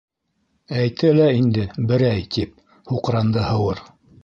—Әйтә лә инде —«берәй»! —тип һуҡранды Һыуыр.